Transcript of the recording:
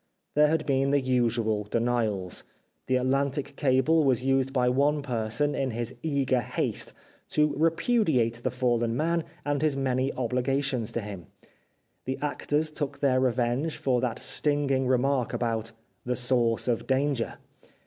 There had been the usual denials. The Atlantic cable was used by one person in his eager haste to repudiate the fallen man and his many ob ligations to him. The actors took their revenge for that stinging remark about " the source of danger."